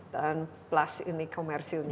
dan plus ini komersilnya